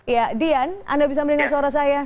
ya dian anda bisa mendengar suara saya